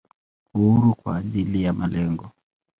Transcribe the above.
Uhuru kwa ajili ya malengo.